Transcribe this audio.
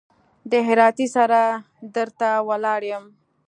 د هراتۍ سره در ته ولاړ يم.